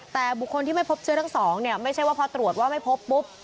แต่บุคคลที่ไม่พบเชื้อทั้งสองเนี่ยไม่ใช่ว่าพอตรวจว่าไม่พบปุ๊บ